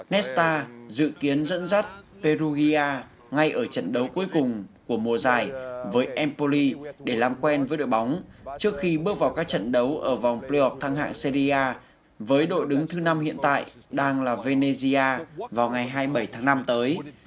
netstar dự kiến dẫn dắt perugia ngay ở trận đấu cuối cùng của mùa giải với empoli để làm quen với đội bóng trước khi bước vào các trận đấu ở vòng priop thăng hạng syria với đội đứng thứ năm hiện tại đang là venezia vào ngày hai mươi bảy tháng năm tới